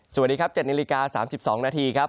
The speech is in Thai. สวัสดีครับ๗นิ้วราคา๓๒นาทีครับ